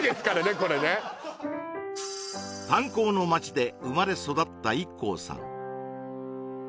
これね炭鉱の街で生まれ育ったＩＫＫＯさん